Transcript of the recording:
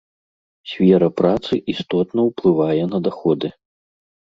Сфера працы істотна ўплывае на даходы.